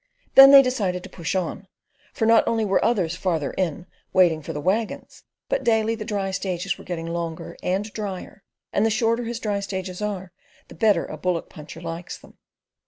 Then they decided to "push on"; for not only were others farther "in" waiting for the waggons, but daily the dry stages were getting longer and drier; and the shorter his dry stages are, the better a bullock puncher likes them.